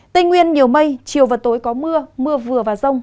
tây nguyên nhiều mây chiều và tối có mưa mưa vừa và rông